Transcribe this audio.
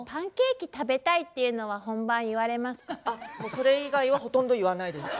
それ以外はほとんど言わないです。